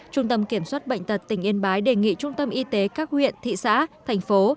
trung tâm kiểm soát bệnh tật tỉnh yên bái đề nghị trung tâm y tế các huyện thị xã thành phố